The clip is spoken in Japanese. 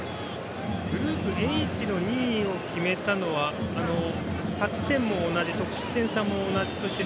グループＨの２位を決めたのは勝ち点も同じ得失点差も同じ。